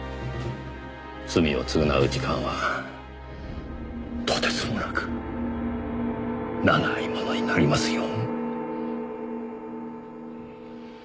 罪を償う時間はとてつもなく長いものになりますよ。